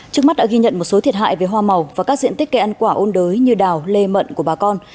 trước mắt đã ghi nhận một số thiệt hại về hoa màu và các diện tích cây ăn quả ôn đới như đào lê mận của bà con